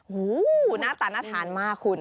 โอ้โหหน้าตาน่าทานมากคุณ